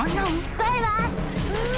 バイバイ！